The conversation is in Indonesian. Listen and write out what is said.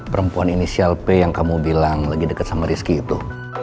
perempuan inisial p yang kamu bilang lagi dekat sama rizky itu